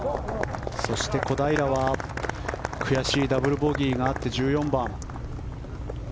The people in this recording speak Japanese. そして、小平は悔しいダブルボギーがあって１４番。